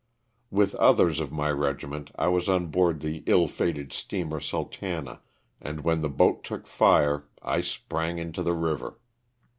With others of my regiment I was on board the ill fated steamer " Sultana," and when the boat took fire I sprang into the river.